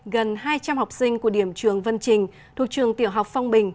gần hai trăm linh học sinh của điểm trường văn trình thuộc trường tiểu học phong bình